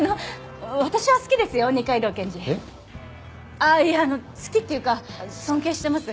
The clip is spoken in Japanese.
ああいやあの好きっていうか尊敬してます。